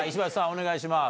お願いします。